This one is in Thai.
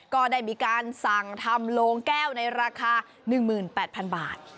ก็ได้มีการสั่งทำโลงแก้วในราคา๑๘๐๐๐บาท